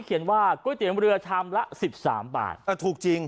เขียนว่าก๋วยเตี๋ยวเมือรือชามละสิบสามบาทถูกจริง